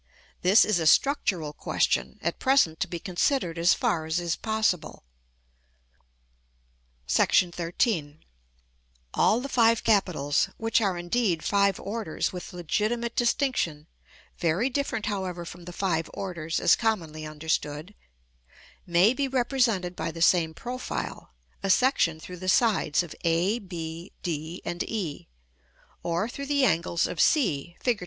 This is a structural question, at present to be considered as far as is possible. [Illustration: Fig. XXIII.] § XIII. All the five capitals (which are indeed five orders with legitimate distinction; very different, however, from the five orders as commonly understood) may be represented by the same profile, a section through the sides of a, b, d, and e, or through the angles of c, Fig.